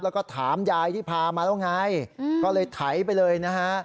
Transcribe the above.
แล้วก็ถามยายที่พามาแล้วไงก็เลยไถไปเลยนะฮะ